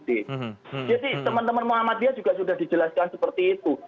jadi teman teman muhammad dia juga sudah dijelaskan seperti itu